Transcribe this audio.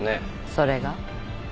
それが？